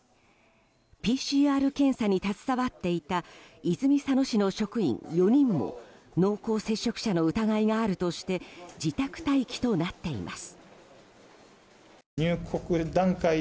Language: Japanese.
ＰＣＲ検査に携わっていた泉佐野市の職員４人も濃厚接触者の疑いがあるとして自宅待機となっています。